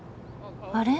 あれ？